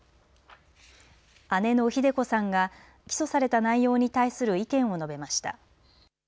姉のひで子さんが起訴された内容に対する意見を述べました。